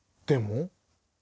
でも？